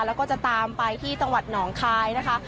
แล้วก็จะตามไปที่จังหวัดหนองคายนะคะ